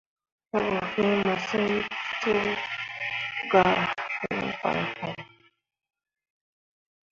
Te ɓu fĩĩ mo siŋ cil gah fãi fãine.